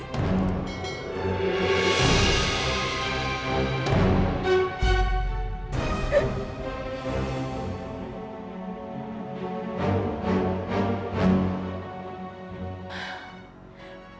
ini semua akan terjadi